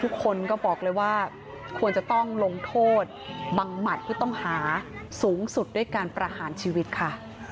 ทุกคนก็บอกเลยว่าควรจะต้องลงโทษบังหมัดผู้ต้องหาสูงสุดด้วยการประหารชีวิตค่ะ